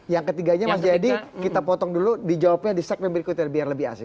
yang ketiganya mas yadi kita potong dulu di jawabnya di segmen berikutnya biar lebih asli